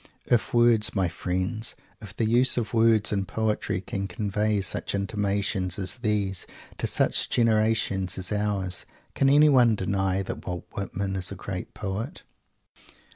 If words, my friends; if the use of words in poetry can convey such intimations as these to such a generation as ours, can anyone deny that Walt Whitman is a great poet?